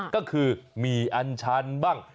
ก็คือหมี่อันชันบ้าง